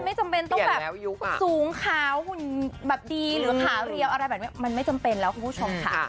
ไม่จำเป็นต้องแบบสูงขาวหุ่นแบบดีหรือขาเรียวอะไรแบบนี้มันไม่จำเป็นแล้วคุณผู้ชมค่ะ